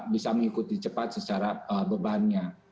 bisa mengikuti cepat secara bebannya